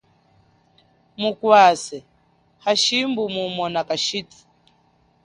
Mukwase, hashimbu mumona kashithu.